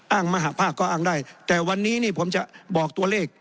มหาภาคก็อ้างได้แต่วันนี้นี่ผมจะบอกตัวเลข